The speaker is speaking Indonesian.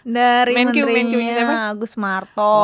dari menterinya agus marto